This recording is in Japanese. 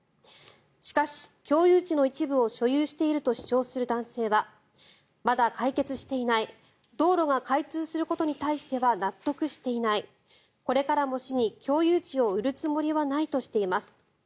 しかし、共有地の一部を所有していると主張する男性はまだ解決していない道路が開通することに対しては納得していないこれからも、市に共有地を売るつもりはないとしています。